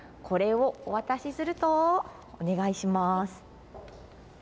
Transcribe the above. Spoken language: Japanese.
これをお渡しするとお願いします。